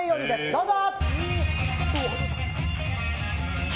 どうぞ！